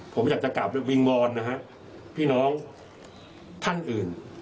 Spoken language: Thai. ผมอยากจะกลับวิงวอนนะฮะพี่น้องท่านอื่น